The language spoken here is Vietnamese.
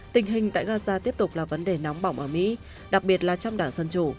tình hình tại gaza tiếp tục là vấn đề nóng bỏng ở mỹ đặc biệt là trong đảng dân chủ